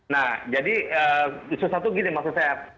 nah jadi susah tuh gini maksud saya